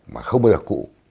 mà không bao giờ cụ